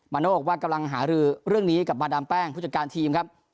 โน่บอกว่ากำลังหารือเรื่องนี้กับมาดามแป้งผู้จัดการทีมครับ